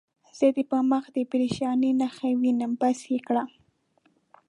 زه دې پر مخ د پرېشانۍ نښې وینم، بس یې کړه.